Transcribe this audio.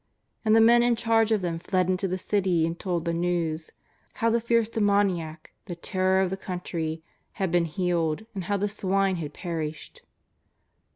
And the men in charge of them fled into the city and told the news — how the fierce demoniac, the terror of the country, had been healed, and how the swine had perished.